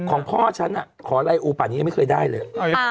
ของพ่อฉันน่ะขออะไรป่านยังไม่เคยได้เลย